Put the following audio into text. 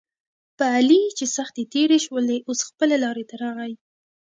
په علي چې سختې تېرې شولې اوس خپله لارې ته راغی.